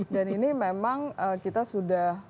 dan ini memang kita sudah